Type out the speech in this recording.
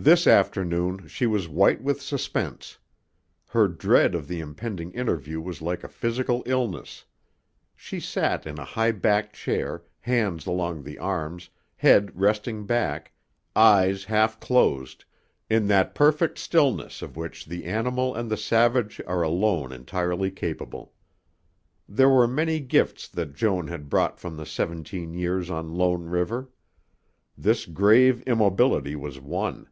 This afternoon she was white with suspense. Her dread of the impending interview was like a physical illness. She sat in a high backed chair, hands along the arms, head resting back, eyes half closed, in that perfect stillness of which the animal and the savage are alone entirely capable. There were many gifts that Joan had brought from the seventeen years on Lone River. This grave immobility was one.